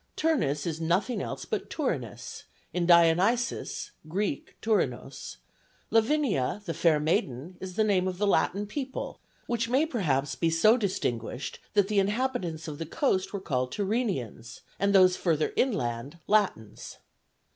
Turnus is nothing else but Turinus, in Dionysius [Greek: Turrênos]; Lavinia, the fair maiden, is the name of the Latin people, which may perhaps be so distinguished that the inhabitants of the coast were called Tyrrhenians, and those further inland Latins.